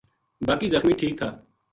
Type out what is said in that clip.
باقی زخمی ٹھیک تھا